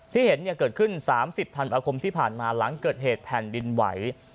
ที่เห็นเกิดขึ้น๓๐ธันวาคมที่ผ่านมาหลังเกิดเหตุแผ่นดินไหว